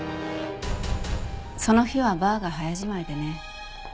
その日はバーが早じまいでね。